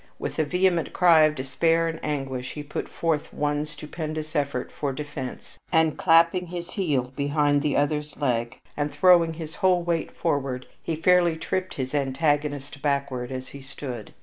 With a vehement cry of despair and anguish, he put forth one stupendous effort for defense, and, clapping his heel behind the other's leg, and throwing his whole weight forward, he fairly tripped his antagonist backward as he stood.